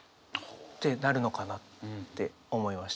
ってなるのかなって思いました。